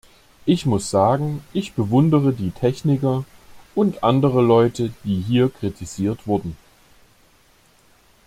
Ich muss sagen, ich bewundere die Techniker und andere Leute, die hier kritisiert wurden.